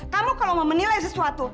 kamu kalau mau menilai sesuatu